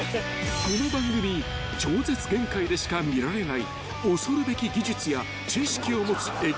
［この番組『超絶限界』でしか見られない恐るべき技術や知識を持つエキスパートたち］